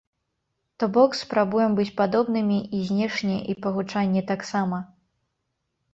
То бок, спрабуем быць падобнымі і знешне і па гучанні таксама.